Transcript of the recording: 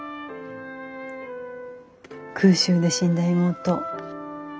空襲で死んだ妹。